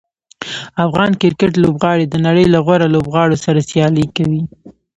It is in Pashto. افغان کرکټ لوبغاړي د نړۍ له غوره لوبغاړو سره سیالي کوي.